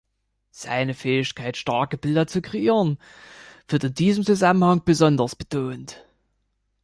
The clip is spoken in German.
Seine Fähigkeit, starke Bilder zu kreieren, wird in diesem Zusammenhang besonders betont.